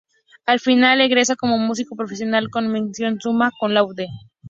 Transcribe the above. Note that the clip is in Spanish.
Al final egresa como músico profesional con mención summa cum laude.